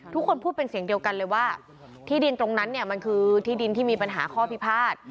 ทุกคนพูดเป็นเสียงเดียวกันเลยว่าที่ดินตรงนั้นเนี่ยมันคือที่ดินที่มีปัญหาข้อพิพาท